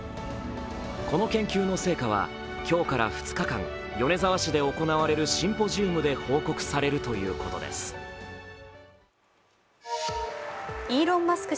この研究の成果は今日から２日間、米沢市で行われるシンポジウムで報告されるということです。イーロン・マスク